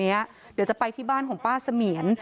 เดี๋ยวจะไปที่บ้านของป้าเสมียน